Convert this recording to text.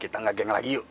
kita ga geng lagi yuk